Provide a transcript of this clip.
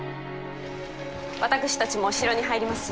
私たちも城に入ります。